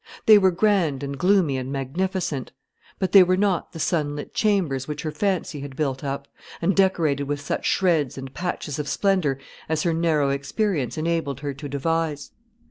They were grand and gloomy and magnificent; but they were not the sunlit chambers which her fancy had built up, and decorated with such shreds and patches of splendour as her narrow experience enabled her to devise.